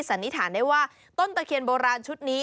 สันนิษฐานได้ว่าต้นตะเคียนโบราณชุดนี้